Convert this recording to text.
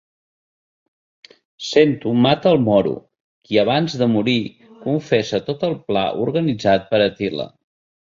Sento mata el Moro qui abans de morir confessa tot el pla organitzat per Àtila.